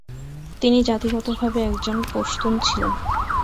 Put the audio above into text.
তিনি জাতিগতভাবে একজন পশতুন ছিলেন।